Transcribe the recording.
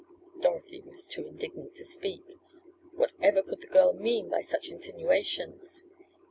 Dorothy was too indignant to speak. What ever could the girl mean by such insinuations?